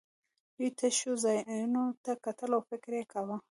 دوی تشو ځایونو ته کتل او فکر یې کاوه